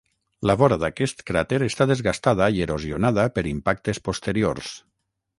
La vora d'aquest cràter està desgastada i erosionada per impactes posteriors.